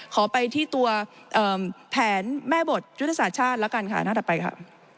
ขอไปที่ตัวแผนแม่บทยุทธศาสตร์ชาติแล้วกันค่ะหน้าถัดไปค่ะ